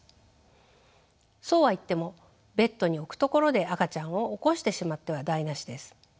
そうはいってもベッドに置くところで赤ちゃんを起こしてしまっては台なしです。